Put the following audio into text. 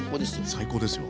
最高ですよ。